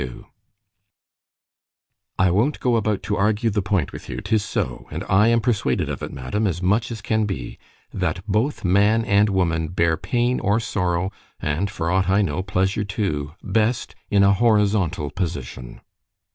XXII ——I WON'T go about to argue the point with you—'tis so——and I am persuaded of it, madam, as much as can be, "That both man and woman bear pain or sorrow (and, for aught I know, pleasure too) best in a horizontal position."